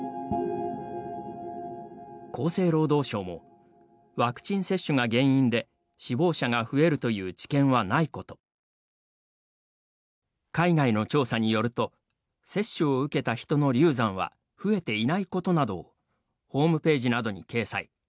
厚生労働省もワクチン接種が原因で死亡者が増えるという知見はないこと海外の調査によると、接種を受けた人の流産は増えていないことなどをホームページなどに掲載。